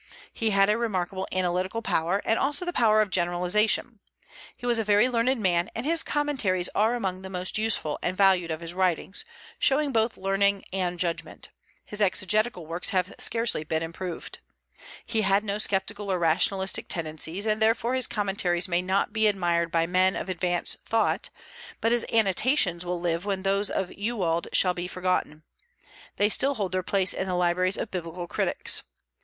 He had a remarkable analytical power, and also the power of generalization. He was a very learned man, and his Commentaries are among the most useful and valued of his writings, showing both learning and judgment; his exegetical works have scarcely been improved. He had no sceptical or rationalistic tendencies, and therefore his Commentaries may not be admired by men of "advanced thought," but his annotations will live when those of Ewald shall be forgotten; they still hold their place in the libraries of biblical critics.